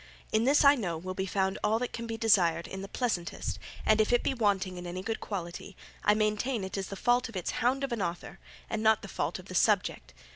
In this I know will be found all that can be desired in the pleasantest, and if it be wanting in any good quality, I maintain it is the fault of its hound of an author and not the fault of the subject.